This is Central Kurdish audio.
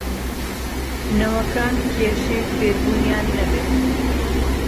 نەوەکان کێشەی فێربوونیان نەبێت